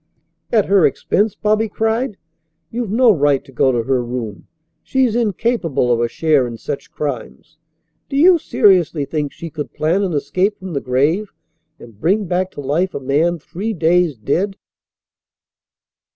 "At her expense!" Bobby cried. "You've no right to go to her room. She's incapable of a share in such crimes. Do you seriously think she could plan an escape from the grave and bring back to life a man three days dead?"